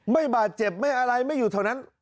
ไม่บาดเจ็บไม่อะไรไม่อยู่เท่านั้น